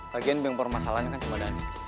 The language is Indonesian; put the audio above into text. lagian bingung permasalahannya kan cuma dhani